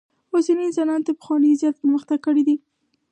اوسني انسانانو تر پخوانیو زیات پرمختک کړی دئ.